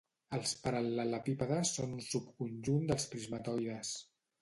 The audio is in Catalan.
Els paral·lelepípedes són un subconjunt dels prismatoides.